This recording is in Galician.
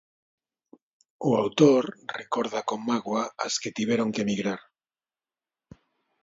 O autor recorda con mágoa as que tiveron que emigrar.